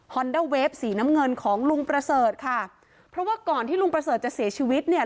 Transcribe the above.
เดอร์เวฟสีน้ำเงินของลุงประเสริฐค่ะเพราะว่าก่อนที่ลุงประเสริฐจะเสียชีวิตเนี่ย